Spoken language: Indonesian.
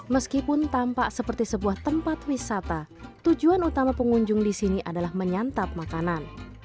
meskipun tampak seperti sebuah tempat wisata tujuan utama pengunjung di sini adalah menyantap makanan